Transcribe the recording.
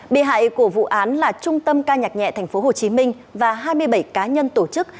bị hại của vụ án là trung tâm ca nhạc nhẹ tp hcm và hai mươi bảy cá nhân tổ chức